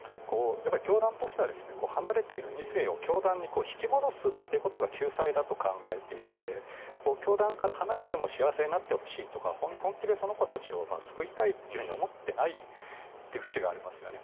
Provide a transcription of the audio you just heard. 教団としては離れている２世を教団に引き戻すということが救済だと考えているので教団から離れても幸せになってほしいとか本気でその子たちを救いたいと思ってないという節がありますよね。